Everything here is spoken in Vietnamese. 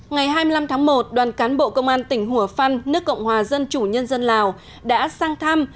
ngày hai mươi năm tháng một đoàn cán bộ công an tỉnh hủa phăn nước cộng hòa dân chủ nhân dân lào đã sang thăm